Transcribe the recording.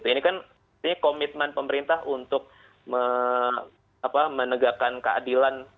ini kan komitmen pemerintah untuk menegakkan keadilan